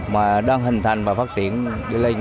mà đang hình thành và phát triển